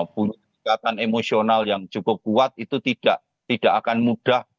punya ikatan emosional yang cukup kuat itu tidak akan mudah